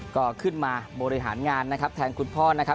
ก็ขึ้นมาบริหารงานนะครับแทนคุณพ่อนะครับ